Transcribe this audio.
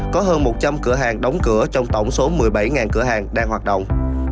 có hơn một trăm linh cửa hàng đóng cửa trong tổng số một mươi bảy cửa hàng đang hoạt động